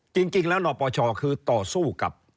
จริงแล้วนปชคือต่อสู้กับ